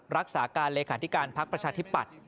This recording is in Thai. รักษาการเลขาธิการพักประชาธิปัตย์